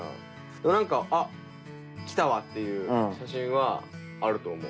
でもなんか「あっきたわ」っていう写真はあると思う。